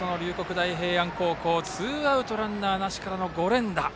大平安高校はツーアウトランナーなしからの５連打。